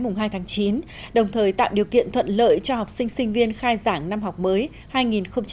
mùng hai tháng chín đồng thời tạo điều kiện thuận lợi cho học sinh sinh viên khai giảng năm học mới hai nghìn một mươi tám hai nghìn một mươi chín